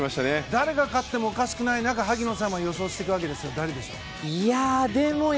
誰が勝ってもおかしくない中で萩野さんは予想していくわけです誰でしょう？